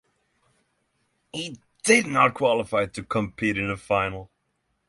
He did not qualify to compete in the final.